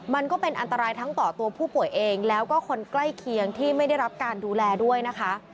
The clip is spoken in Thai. มันก็เป็นอันตรายทั้งต่อตัวผู้ป่วยเองแล้วก็คนใกล้เคียงที่ไม่ได้รับการดูแลด้วยนะคะ